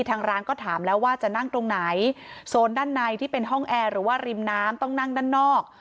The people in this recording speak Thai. ทางร้านก็ถามแล้วว่าจะนั่งตรงไหนโซนด้านในที่เป็นห้องแอร์หรือว่าริมน้ำต้องนั่งด้านนอก